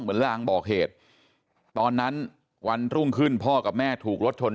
ลางบอกเหตุตอนนั้นวันรุ่งขึ้นพ่อกับแม่ถูกรถชน